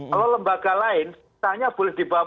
kalau lembaga lain kita hanya boleh dibawa